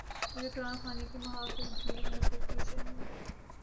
جب کہ قرآن خوانی کی محافل بھی منعقد کی جائیں گی۔